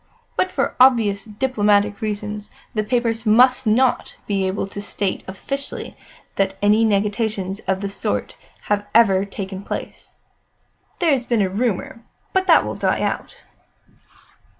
But for obvious diplomatic reasons, the papers must not be able to state officially that any negotiations of the sort have ever taken place. There has been a rumour, but that will die out."